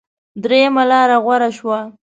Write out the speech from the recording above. درېمه لاره غوره شوه.